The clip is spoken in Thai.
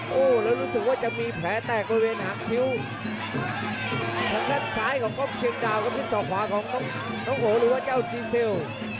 โอ้โหแล้วรู้สึกว่าจะมีแพ้แตกบริเวณหักทิ้งทางท่านซ้ายของกล้องเชียกดาวก็พิเศษต่อขวาของน้องโหหหรือว่าเจ้าเจ้าเซล